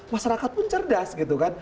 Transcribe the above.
masyarakat pun cerdas gitu kan